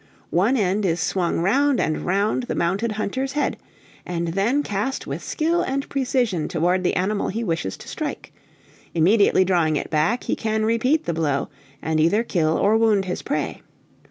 One end is swung round and round the mounted hunter's head, and then cast with skill and precision toward the animal he wishes to strike; immediately drawing it back, he can repeat the blow, and either kill or wound his prey.